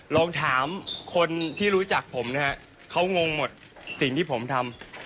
ลองถามคนที่รู้จักผมนะฮะเขางงหมดสิ่งที่ผมทำ